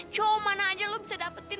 cuma mana aja lo bisa dapetin